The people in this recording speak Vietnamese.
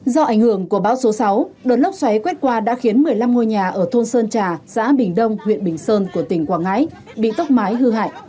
do ảnh hưởng của bão số sáu đợt lốc xoáy quét qua đã khiến một mươi năm ngôi nhà ở thôn sơn trà xã bình đông huyện bình sơn của tỉnh quảng ngãi bị tốc mái hư hại